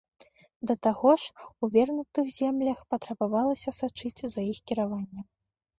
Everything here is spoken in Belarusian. Да таго ж, у вернутых землях, патрабавалася сачыць за іх кіраваннем.